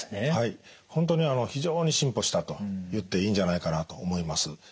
本当に非常に進歩したと言っていいんじゃないかなと思います。